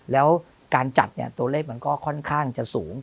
แล้วการจัดตัวเลขมันก็ค่อนข้างจะสูง